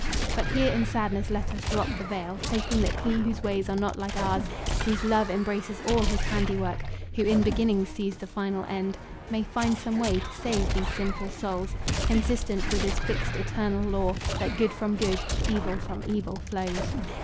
But here in sadness let us drop the veil, Hoping that He whose ways are not like ours, Whose love embraces all His handiwork, Who in beginnings sees the final end, May find some way to save these sinful souls Consistent with His fixed eternal law That good from good, evil from evil flows.